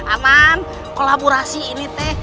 aman kolaborasi ini teh